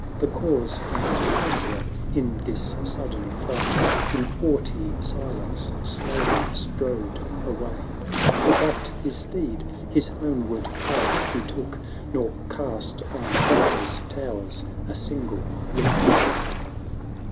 The cause and conqueror in this sudden fray. In haughty silence slowly strode away; He backed his steed, his homeward path he took, 740 Nor cast on Otho's towers a single look.